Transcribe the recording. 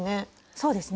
そうですね。